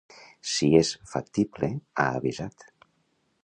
Si és factible, ha avisat.